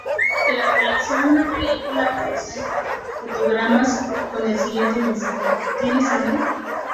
Durante la proyección de una película aparecían fotogramas con el siguiente mensaje: "¿Tienes hambre?